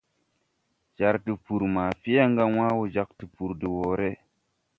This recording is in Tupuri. Jar tupuri ma Fianga wãã wo jāg tupuri de woʼré.